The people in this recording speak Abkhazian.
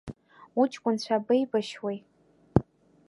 Уҷкәынцәа абеибашьуеи?